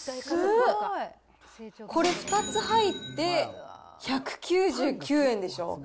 これ２つ入って１９９円でしょ。